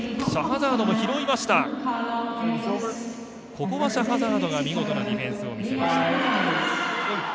ここはシャハザードが見事なディフェンスを見せました。